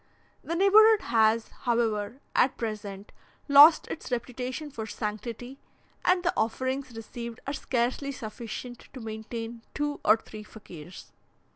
The neighbourhood has, however, at present, lost its reputation for sanctity, and the offerings received are scarcely sufficient to maintain two or three Fakirs.